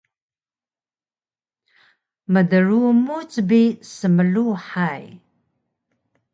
Mdrumuc bi smluhay